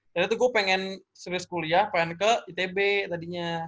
jadi gue pengen serius kuliah pengen ke itb tadinya